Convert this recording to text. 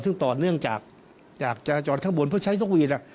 ซึ่งต่อเนื่องจากจากจราจรข้างบนเพื่อใช้นกหวีด